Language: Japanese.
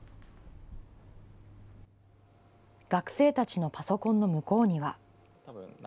学生たちのパソコンの向こうには。